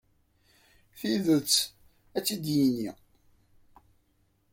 Tidet, ad tt-id-yini.